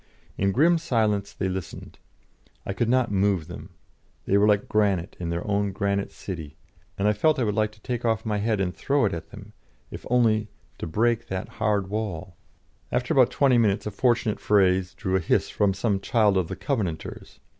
In grim silence they listened; I could not move them; they were granite like their own granite city, and I felt I would like to take off my head and throw it at them, if only to break that hard wall. After about twenty minutes, a fortunate phrase drew a hiss from some child of the Covenanters.